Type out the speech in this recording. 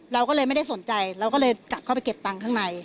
เราก็เลยไม่ได้สนใจเราก็เลยกลับเข้าไปเก็บตังค์ข้างใน